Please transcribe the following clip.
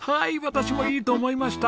私もいいと思いました！